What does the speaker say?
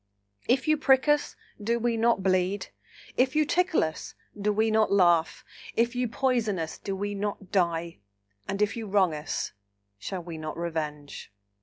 If you prick us, do we not bleed? If you tickle us, do we not laugh? If you poison us, do we not die? and if you wrong us, shall we not revenge?"